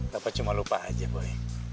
papa cuma lupa aja boy